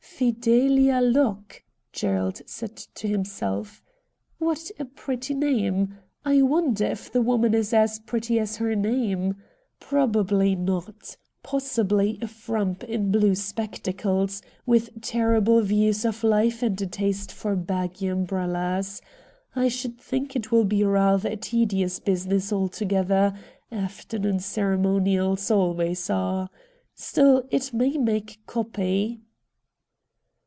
' Fidelia Locke !' Gerald said to himself. ' What a pretty name ! I wonder if the woman is as pretty as her name. Probably not ; possibly a frump in blue spectacles, with terrible views of life and a taste for baggy umbrellas. I should think it will be rather a tedious business altogether — afternoon cere monials always are. Still it may make "copy."'